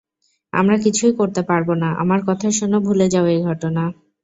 আমরা কিছুই করতে পারবো না, আমার কথা শুনো, ভুলে যাও এই ঘটনা।